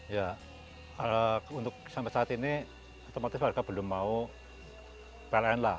ya untuk sampai saat ini otomatis warga belum mau pln lah